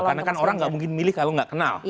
karena kan orang nggak mungkin milih kalau nggak kenal